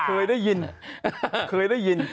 เคยได้ยินเคยได้ยิน